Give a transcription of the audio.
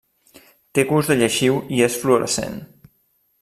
Té gust de lleixiu i és fluorescent.